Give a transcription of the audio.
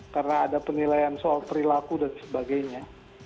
karena ada penilaian soal perilaku dan sebagainya